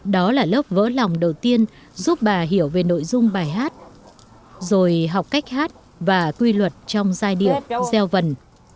đó là lớp vỡ lòng đầu tiên giúp bà hiểu về nội dung bài hát rồi học cách hát và quy luật trong giai điệu gieo vần